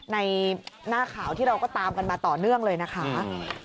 ในหน้าข่าวที่เราก็ตามกันมาต่อเนื่องเลยนะคะ